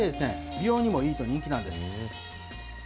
美容にもいいと人気なんです。